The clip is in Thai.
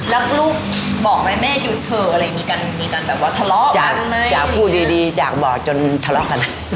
แล้วลูกบอกไหมแม่หยุดเถอะอะไรอย่างนี้กันมีการแบบว่าทะเลาะอยากพูดดีอยากบอกจนทะเลาะกัน